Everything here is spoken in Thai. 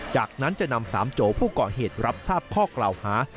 จากนั้นจะนำสามโจผู้ก่อเหตุรับทราบข้อกล่าวหา